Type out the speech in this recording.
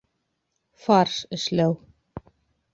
Фарш эшләү